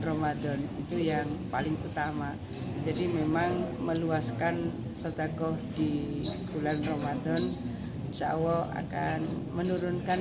ramadan itu yang paling utama jadi memang meluaskan sotakoh di bulan ramadan insya allah akan menurunkan